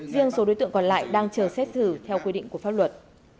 riêng số đối tượng còn lại đang chờ xét xử theo quy định của pháp luật